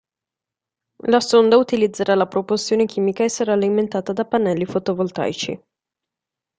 La sonda utilizzerà la propulsione chimica e sarà alimentata da pannelli fotovoltaici.